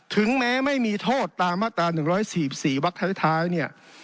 ถึงแม้ไม่มีโทษตามมาตรา๑๔๔วักท้ายเนี่ย